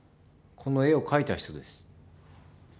この絵を描いた人です。